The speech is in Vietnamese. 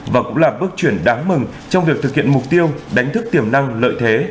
và cũng là bước chuyển đáng mừng trong việc thực hiện mục tiêu đánh thức tiềm năng lợi thế